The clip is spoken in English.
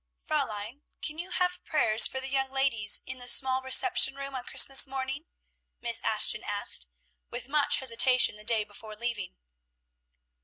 "Fräulein, can you have prayers for the young ladies in the small reception room on Christmas morning?" Miss Ashton asked with much hesitation the day before leaving.